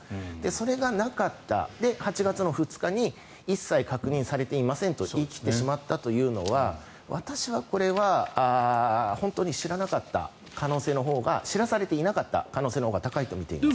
それがなかったで、８月２日に一切確認されていませんと言い切ってしまったというのは私はこれは、本当に知らなかった可能性のほうが知らされていなかった可能性のほうが高いとみています。